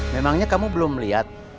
memangnya kamu belum liat